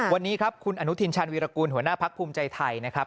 วันนี้ครับคุณอนุทินชาญวีรกูลหัวหน้าพักภูมิใจไทยนะครับ